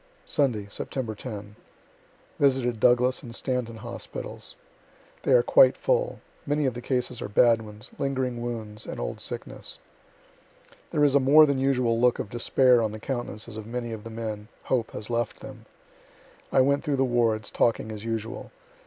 Sunday, Sep. 10. Visited Douglas and Stanton hospitals. They are quite full. Many of the cases are bad ones, lingering wounds, and old sickness. There is a more than usual look of despair on the countenances of many of the men; hope has left them. I went through the wards, talking as usual.